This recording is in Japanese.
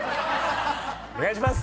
お願いします！